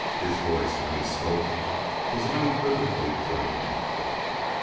His voice, when he spoke, was unequivocally frightened.